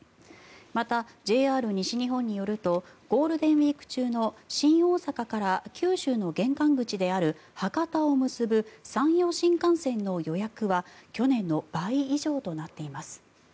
また、ＪＲ西日本によるとゴールデンウィーク中の新大阪から九州の玄関口である博多を結ぶ山陽新幹線の予約は去年の倍以上となっています。